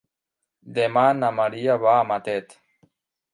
Demà na Maria va a Matet.